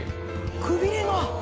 くびれが！